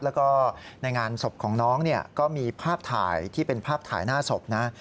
แล้วก็ในงานศพของน้องเนี่ยก็มีภาพถ่ายที่เป็นภาพถ่ายหน้าศพนะ